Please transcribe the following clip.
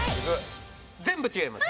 全部違います。